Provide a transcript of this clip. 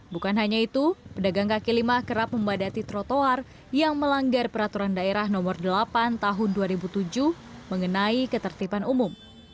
bukan hanya itu pedagang kaki lima kerap membadati trotoar yang melanggar peraturan daerah nomor delapan tahun dua ribu tujuh mengenai ketertiban umum